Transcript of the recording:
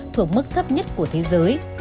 thuộc mức thấp nhất của thế giới